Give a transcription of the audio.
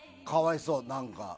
かわいそう、なんか。